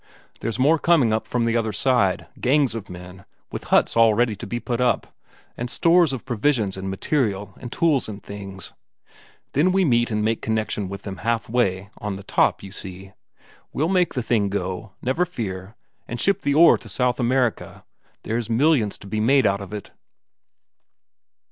There's more coming up from the other side, gangs of men, with huts all ready to put up, and stores of provisions and material and tools and things then we meet and make connection with them half way, on the top, you see? We'll make the thing go, never fear and ship the ore to South America. There's millions to be made out of it."